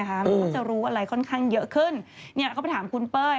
เราก็จะรู้อะไรค่อนข้างเพิ่มมตามกับคุณป้อย